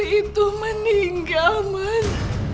daniel itu meninggal mas